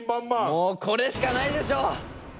もうこれしかないでしょう！